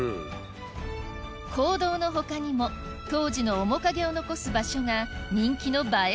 坑道の他にも当時の面影を残す場所が人気の映え